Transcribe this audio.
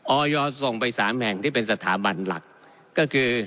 ออยส่งไปสามแห่งที่เป็นสถาบันหลักก็คือ